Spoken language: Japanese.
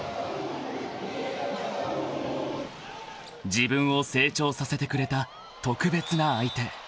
［自分を成長させてくれた特別な相手］